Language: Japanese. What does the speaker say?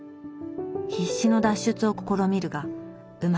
必死の脱出を試みるがうまくいかない。